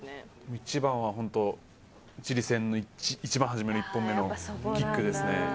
一番は本当にチリ戦の一番初めの１本目のキックですね。